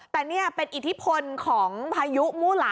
แต่นี่เป็นอิทธิพลของพายุมู่หลา